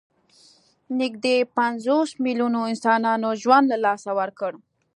نږدې پنځوس میلیونو انسانانو ژوند له لاسه ورکړ.